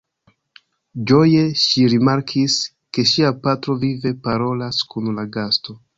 Ĝoje ŝi rimarkis, ke ŝia patro vive parolas kun la gasto.